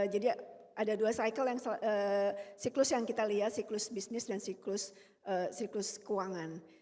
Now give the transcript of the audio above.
jadi ada dua cycle yang siklus yang kita lihat siklus bisnis dan siklus keuangan